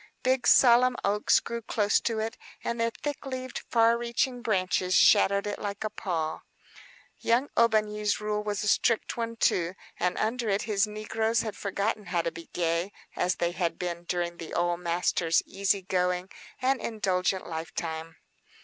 Big, solemn oaks grew close to it, and their thick leaved, far reaching branches shadowed it like a pall. Young Aubigny's rule was a strict one, too, and under it his negroes had forgotten how to be gay, as they had been during the old master's easy going and indulgent lifetime.